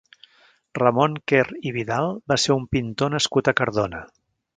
Ramon Quer i Vidal va ser un pintor nascut a Cardona.